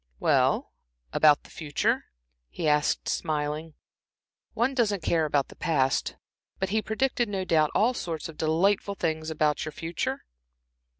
"Well, about the future?" he asked, smiling. "One doesn't care about the past. But he predicted, no doubt, all sorts of delightful things about the future?"